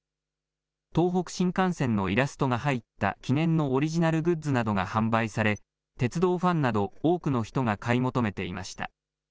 東北新幹線のイラストが入った記念のオリジナルグッズなどが販売され、鉄道ファンなど多くの人が買い求めていました。